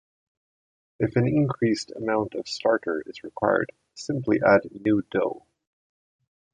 If an increased amount of starter is required, simply add new dough.